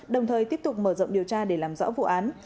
đồng thời tiếp tục mở rộng điều tra để làm rõ vụ án